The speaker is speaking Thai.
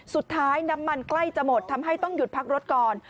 น้ำมันใกล้จะหมดทำให้ต้องหยุดพักรถก่อน